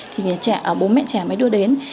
thì bố mẹ trẻ mới đưa đến